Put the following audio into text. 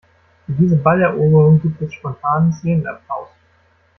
Für diese Balleroberung gibt es spontanen Szenenapplaus.